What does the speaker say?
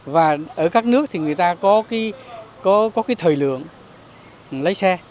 và ở các nước thì người ta có cái thời lượng lấy xe